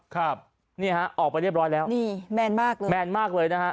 ครับนี่ฮะออกไปเรียบร้อยแล้วนี่แมนมากเลยแมนมากเลยนะฮะ